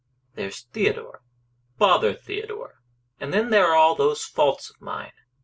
"There's Theodore " "Bother Theodore!" "And then there are all those faults of mine."